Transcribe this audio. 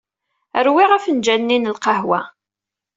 Rwiɣ afenǧal-nni n lqahwa.